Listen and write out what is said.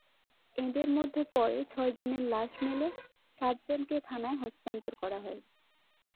এঁদের মধ্যে পরে ছয়জনের লাশ মেলে, সাতজনকে থানায় হস্তান্তর করা হয়।